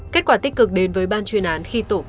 kết quả tích cực đến với ban chuyên án khi tổ công tác